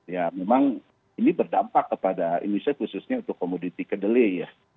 ya memang ini berdampak kepada indonesia khususnya untuk komoditi kedelai ya